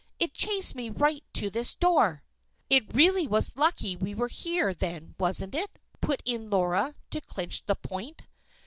It chased me right to this door " "It really was lucky we were here, then, wasn't it?" put in Laura, to clinch the point.